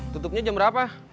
tutupnya jam berapa